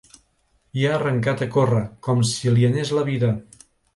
I ha arrencat a córrer, com si li anés la vida.